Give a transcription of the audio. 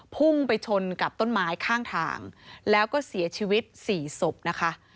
พุ่งไปชนกับต้นไม้ข้างทางแล้วก็เสียชีวิตสี่ศพนะคะ